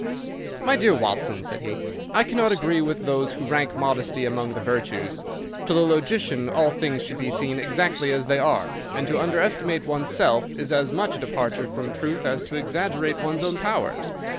"My dear Watson," said he, "I cannot agree with those who rank modesty among the virtues. To the logician all things should be seen exactly as they are, and to underestimate one's self is as much a departure from truth as to exaggerate one's own powers.